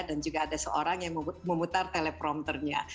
dan juga ada seorang yang memutar teleprompternya